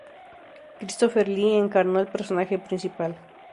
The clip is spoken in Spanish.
Christopher Lee encarnó al personaje principal.